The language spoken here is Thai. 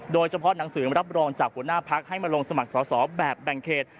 โดยเฉพาะหนังสือรับรองจากหัวหน้าพักให้มาลงสมัครสอสอแบบแบ่งเขต